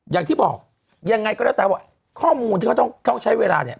อย่างที่บอกยังไงก็แล้วแต่ว่าข้อมูลที่เขาต้องใช้เวลาเนี่ย